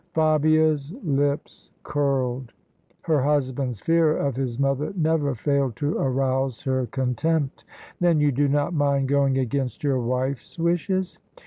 Fabia's lips curled : her husband's fear of his mother never failed to arouse her contempt. "Then you do not mind going against your wife's wishes?